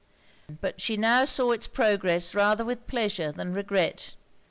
But she now saw it's progress rather with pleasure than regret.